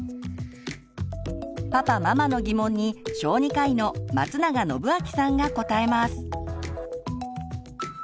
パパママの疑問に小児科医の松永展明さんが答えます。